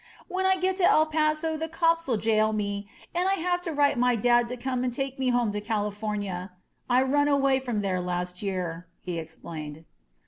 When I get to El Paso the cops '11 jail me and Fll have to write my dad to come and take me home to California. I run away from there last year," he explained.